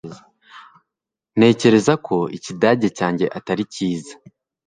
ntekereza ko ikidage cyanjye atari cyiza